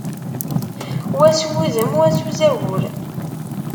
Wa s wudem, wa s uzagur.